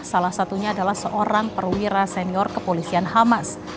salah satunya adalah seorang perwira senior kepolisian hamas